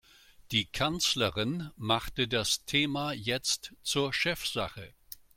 Die Kanzlerin machte das Thema jetzt zur Chefsache.